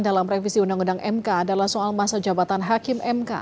dalam revisi undang undang mk adalah soal masa jabatan hakim mk